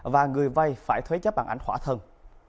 và người vay phải thuế chấp bằng ảnh khỏa thân